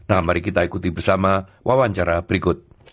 nah mari kita ikuti bersama wawancara berikut